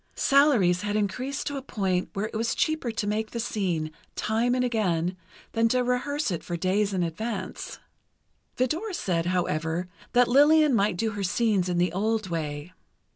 Salaries had increased to a point where it was cheaper to make the scene, time and again, than to rehearse it for days in advance. Vidor said, however, that Lillian might do her scenes in the old way.